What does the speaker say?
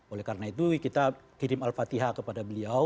oleh karena itu kita kirim al fatihah kepada beliau